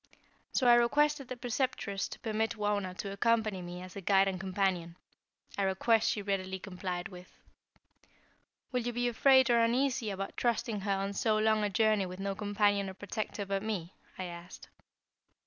So I requested the Preceptress to permit Wauna to accompany me as a guide and companion; a request she readily complied with. "Will you be afraid or uneasy about trusting her on so long a journey with no companion or protector but me?" I asked.